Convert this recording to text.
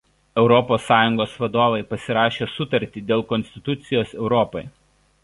Europos Sąjungos vadovai pasirašė Sutartį dėl Konstitucijos Europai.